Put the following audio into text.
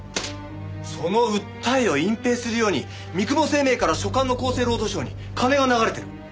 その訴えを隠蔽するように三雲生命から所管の厚生労働省に金が流れてる！